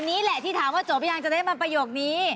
นี่แหละที่ถามว่าจบหรือยังจะได้มาประโยคนี้